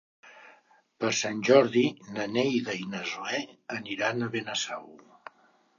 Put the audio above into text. Per Sant Jordi na Neida i na Zoè aniran a Benasau.